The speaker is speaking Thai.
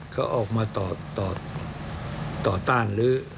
เขาออกมาต่อต้าน